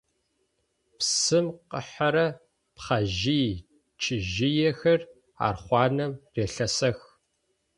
Псым къыхьырэ пхъэжъый-чыжъыехэр архъуанэм релъасэх.